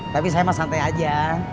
tapi saya mas santai aja